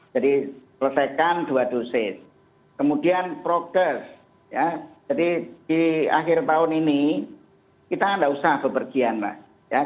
jadi selesaikan dua dosis kemudian progres jadi di akhir tahun ini kita tidak usah bepergian lah